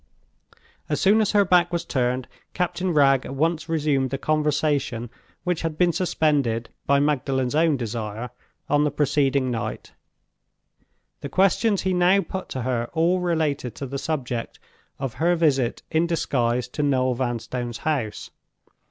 As soon as her back was turned, Captain Wragge at once resumed the conversation which had been suspended, by Magdalen's own desire, on the preceding night. The questions he now put to her all related to the subject of her visit in disguise to Noel Vanstone's house.